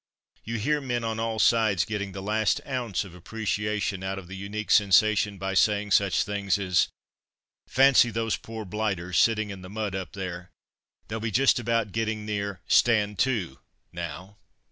You hear men on all sides getting the last ounce of appreciation out of the unique sensation by saying such things as, "Fancy those poor blighters, sitting in the mud up there; they'll be just about getting near 'Stand to' now."